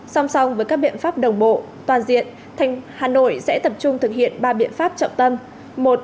song song với các biện pháp đồng bộ toàn diện hà nội sẽ tập trung thực hiện ba biện pháp trọng tâm